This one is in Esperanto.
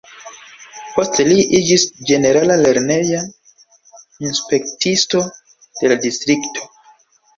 Poste li iĝis ĝenerala lerneja inspektisto de la distrikto.